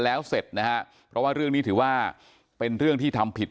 แล้วเสร็จนะฮะเพราะว่าเรื่องนี้ถือว่าเป็นเรื่องที่ทำผิด